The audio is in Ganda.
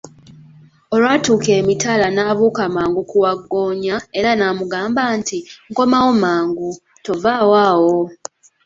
Olwatuuka emitala n'abuuka mangu ku wagggoonya era n'amugamba nti, nkomawo mangu, tovaawo awo!